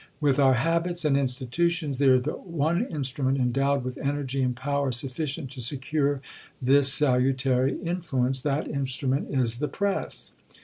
With our habits and institutions, there is but one instrument endowed with energy and power sufficient to secure this salutary influence that instrument is the press."